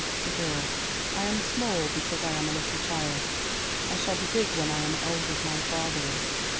th Tagore I am small because I am a little child. I shall be big when I am as old as my father is.